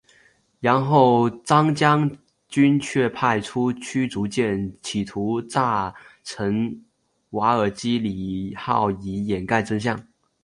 然后张将军却派出驱逐舰企图炸沉瓦尔基里号以掩盖真相。